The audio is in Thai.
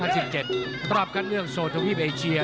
รอบคัดเลือกโซทวีปเอเชีย